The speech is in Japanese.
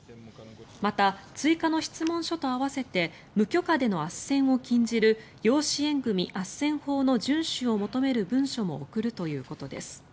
また、追加の質問書と併せて無許可でのあっせんを禁じる養子縁組あっせん法の順守を求める文書も送るということです。